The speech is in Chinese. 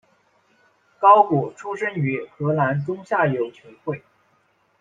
高古出身于荷兰中下游球会。